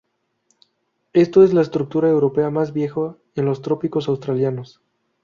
Esto es la estructura europea más vieja en los trópicos australianos.